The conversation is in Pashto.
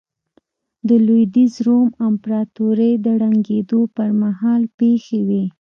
د لوېدیځ روم امپراتورۍ د ړنګېدو پرمهال پېښې وې